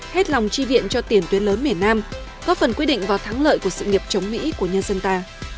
hết lòng chi viện cho tiền tuyến lớn miền nam góp phần quyết định vào thắng lợi của sự nghiệp chống mỹ của nhân dân ta